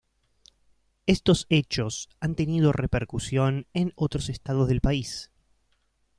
Estos hechos han tenido repercusión en otros estados del país.